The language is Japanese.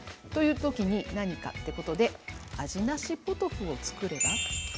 という時に何かということで味なしポトフをつくれば？